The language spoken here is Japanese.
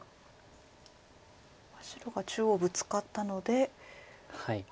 白が中央ブツカったので。